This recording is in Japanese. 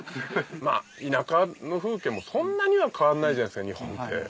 田舎の風景もそんなには変わんないじゃないですか日本って。